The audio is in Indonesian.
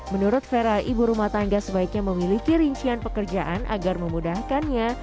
menurut vera ibu rumah tangga sebaiknya memiliki rincian pekerjaan agar memudahkannya